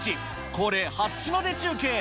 恒例、初日の出中継。